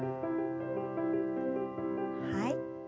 はい。